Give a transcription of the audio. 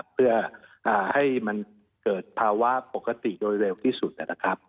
เพื่อให้มันเกิดภาวะปกติโดยเร็วที่สุดนะครับ